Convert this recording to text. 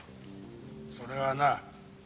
それはな